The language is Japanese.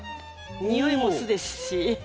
匂いも酢ですし。